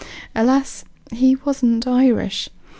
Alas, he wasn't Irish.